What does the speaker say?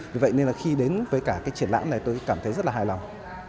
vì vậy nên là khi đến với cả cái triển lãm này tôi cảm thấy rất là hài lòng